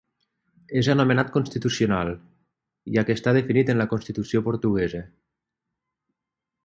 És anomenat Constitucional, ja que està definit en la constitució portuguesa.